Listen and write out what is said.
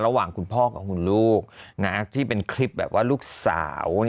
ระหว่างคุณพ่อกับคุณลูกที่เป็นคลิปแบบว่าลูกสาว